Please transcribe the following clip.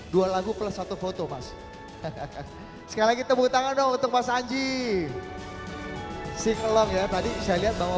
dua lagu plus satu foto mas sekali kita butang untuk mas anji si kelam ya tadi saya lihat bahwa